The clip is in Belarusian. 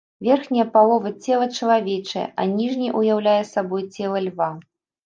Верхняя палова цела чалавечае, а ніжняя ўяўляе сабой цела льва.